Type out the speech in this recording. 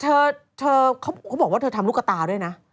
เธอเขาบอกว่าเธอทำลูกกระตาด้วยนะ